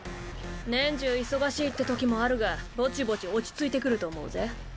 年中忙しいってときもあるがぼちぼち落ち着いてくると思うぜ。